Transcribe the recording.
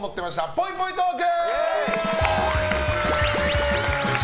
ぽいぽいトーク。